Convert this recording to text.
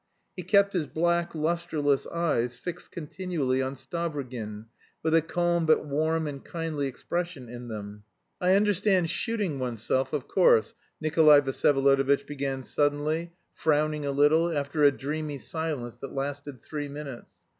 He kept his black, lustreless eyes fixed continually on Stavrogin with a calm but warm and kindly expression in them. "I understand shooting oneself, of course," Nikolay Vsyevolodovitch began suddenly, frowning a little, after a dreamy silence that lasted three minutes.